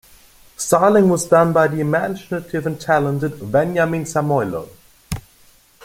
Styling was done by "the imaginative and talented Veniamin Samoilov".